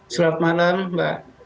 selamat malam mbak